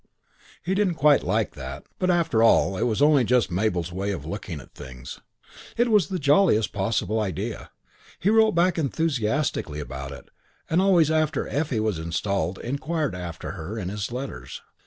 He didn't quite like that; but after all it was only just Mabel's way of looking at things. It was the jolliest possible idea. He wrote back enthusiastically about it and always after Effie was installed inquired after her in his letters.